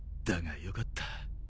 だがよかった。